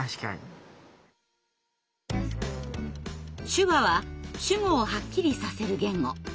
手話は主語をはっきりさせる言語。